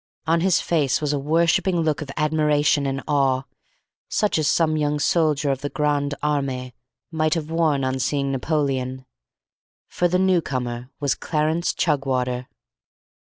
On his face was a worshipping look of admiration and awe, such as some young soldier of the Grande Armee might have worn on seeing Napoleon; for the newcomer was Clarence Chugwater.